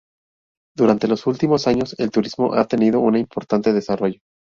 Durante los últimos años el turismo ha tenido un importante desarrollo.